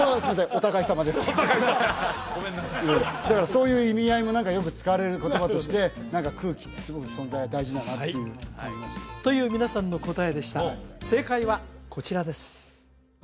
お互いさまでごめんなさいだからそういう意味合いもよく使われる言葉として空気ってすごく存在が大事だなっていうという皆さんの答えでした正解はこちらです